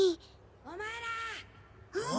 ・お前ら・あ？